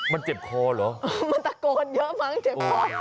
มันเจ็บคอเหรอมันตะโกนเยอะมั้งเจ็บคอ